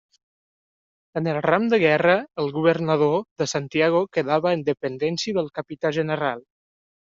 En el ram de guerra el governador de Santiago quedava en dependència del capità general.